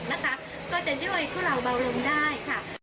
พ่อคุณก็จะช่วยทุกคนเบ้าดมได้